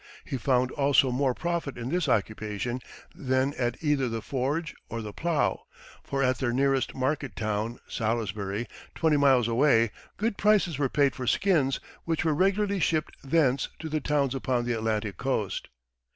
He found also more profit in this occupation than at either the forge or the plow; for at their nearest market town, Salisbury, twenty miles away, good prices were paid for skins, which were regularly shipped thence to the towns upon the Atlantic coast.